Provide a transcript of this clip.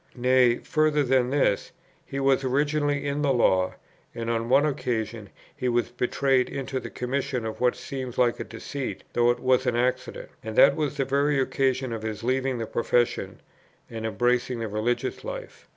Nay, further than this, he was originally in the Law, and on one occasion he was betrayed into the commission of what seemed like a deceit, though it was an accident; and that was the very occasion of his leaving the profession and embracing the religious life.